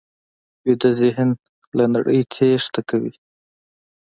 ویده ذهن له نړۍ تېښته کوي